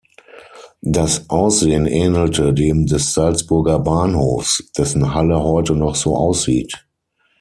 Das Aussehen ähnelte dem des Salzburger Bahnhofs, dessen Halle heute noch so aussieht.